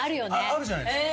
あるじゃないですか。